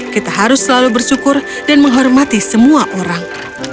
kita harus selalu bersyukur dan menghormati semua orang